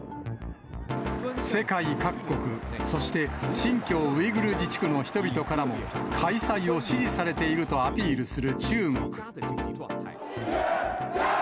世界各国、そして、新疆ウイグル自治区の人々からも開催を支持されているとアピール